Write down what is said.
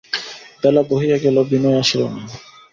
বেলা বহিয়া গেল– বিনয় আসিল না।